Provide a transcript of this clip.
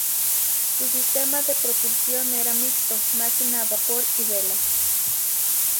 Su sistema de propulsión era mixto, máquina a vapor y vela.